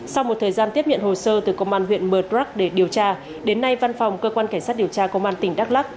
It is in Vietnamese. sau một thời gian tiếp nhận hồ sơ từ công an huyện mờ đắc để điều tra đến nay văn phòng cơ quan cảnh sát điều tra công an tỉnh đắk lắc